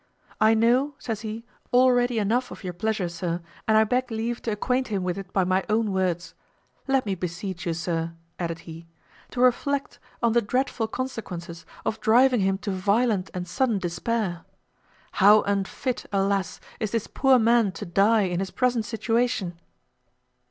I know," says he, "already enough of your pleasure, sir, and I beg leave to acquaint him with it by my own words. Let me beseech you, sir," added he, "to reflect on the dreadful consequences of driving him to violent and sudden despair. How unfit, alas! is this poor man to die in his present situation."